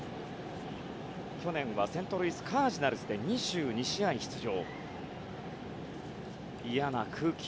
去年はセントルイス・カージナルスで２２試合出場。